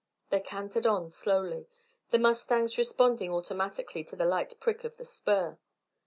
They cantered on slowly, the mustangs responding automatically to the light prick of the spur.